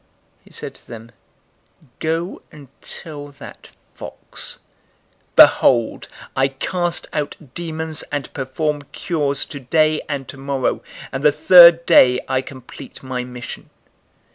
013:032 He said to them, "Go and tell that fox, 'Behold, I cast out demons and perform cures today and tomorrow, and the third day I complete my mission.